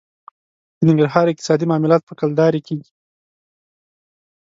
د ننګرهار اقتصادي معاملات په کلدارې کېږي.